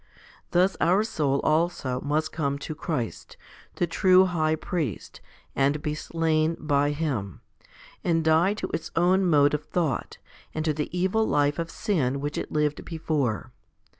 Thus our soul also must come to Christ, the true High priest, and be slain by Him, and die to its own mode of thought, and to the evil life of sin which it lived before.